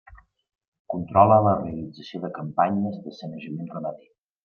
Controla la realització de campanyes de sanejament ramader.